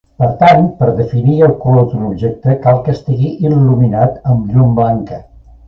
Per tant per definir el color d’un objecte cal que estigui il·luminat amb llum blanca.